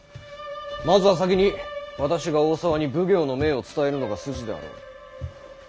まずは先に私が大沢に奉行の命を伝えるのが筋であろう。